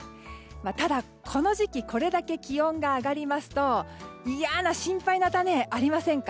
ただ、この時期にこれだけ気温が上がりますと嫌な心配の種がありませんか？